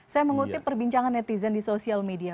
saya mengutip perbincangan netizen di sosial media